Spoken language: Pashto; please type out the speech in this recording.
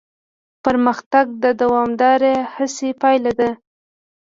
پرمختګ د دوامداره هڅې پایله ده.